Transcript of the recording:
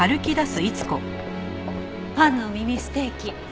パンの耳ステーキ。